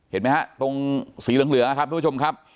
เห็นไหมฮะตรงสีเหลืองนะครับทุกผู้ชมครับ